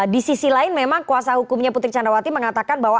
di sisi lain memang kuasa hukumnya putri candrawati mengatakan bahwa